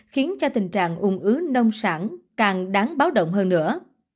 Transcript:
khiến cho tình trạng ung ứ nông sản càng đáng báo động hơn nữa